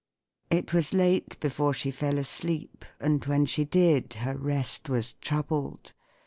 It was late before she fell asleep; and when she did, her rest was troubled.